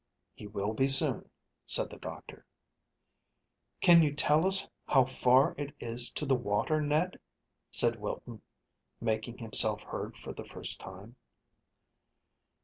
"He will be soon," said the doctor. "Can you tell us how far it is to the water, Ned?" said Wilton, making himself heard for the first time.